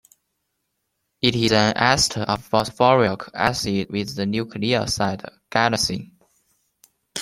It is an ester of phosphoric acid with the nucleoside guanosine.